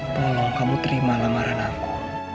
tolong kamu terima lamaran aku